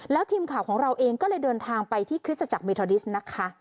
แล้วทีมข่าวของเราเองก็เลยเดินทางไปที่คริสตจักรเมทอดิสนะคะ